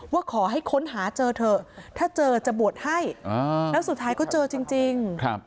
ว่าขอให้ค้นหาเจอเถอะถ้าเจอจะบวชให้แล้วสุดท้ายก็เจอจริง